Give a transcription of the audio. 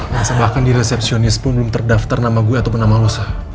masa bahkan di resepsionis pun belum terdaftar nama gue atau nama lo sa